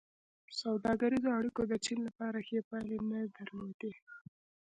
سوداګریزو اړیکو د چین لپاره ښې پایلې نه درلودې.